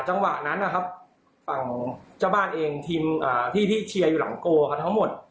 จังหวะนั้นนะครับฝั่งเจ้าบ้านเองทีมที่เชียร์อยู่หลังโกครับทั้งหมด